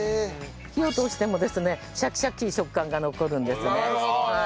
火を通してもですねシャキシャキ食感が残るんですね。